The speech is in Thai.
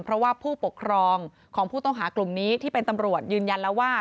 เพราะว่าผู้ปกครองของผู้ต้องหากลุ่มนี้ที่เป็นตำรวจยืนยันแล้วว่า